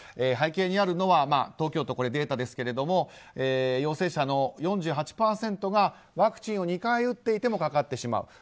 背景にあるのは東京都、データですけど陽性者の４８％がワクチンを２回打っていてもかかってしまう。